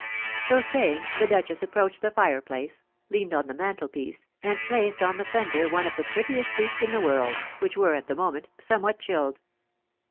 So saying, the duchess approached the fireplace, leaned on the mantelpiece, and placed on the fender one of the prettiest feet in the world, which were, at the moment, somewhat chilled.